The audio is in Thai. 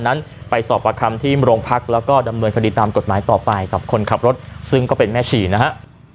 นั้นไปสอบประคำที่โรงพักแล้วก็ดำเนินคดีตามกฎหมายต่อไปกับคนขับรถซึ่งก็เป็นแม่ชีนะฮะ